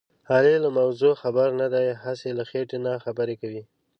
علي له موضوع خبر نه دی. هسې له خېټې نه خبرې کوي.